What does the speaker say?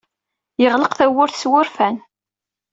Yeɣleq tawwurt s wurfan.